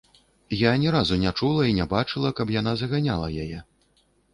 Я ні разу не чула і не бачыла, каб яна заганяла яе.